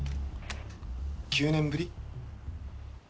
９年ぶり？